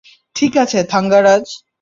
ঠিক আছে, থাঙ্গারাজ।